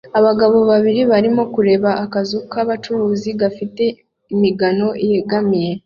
Abagabo babiri barimo kureba akazu k'abacuruzi gafite imigano yegamiye